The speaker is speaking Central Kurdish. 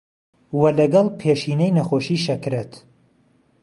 وە لەگەڵ پێشینەی نەخۆشی شەکرەت